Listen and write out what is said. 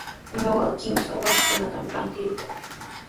Ñuqa kimsa wasikunatami rantirquu.